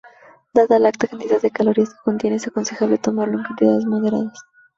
Dada la alta cantidad de calorías que contiene, es aconsejable tomarlo en cantidades moderadas.